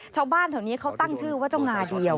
ชาวบ้านแถวนี้เขาตั้งชื่อว่าเจ้างาเดียว